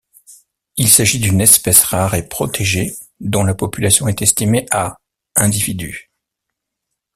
Il s'agit d'une espèce rare et protégée dont la population est estimée à individus.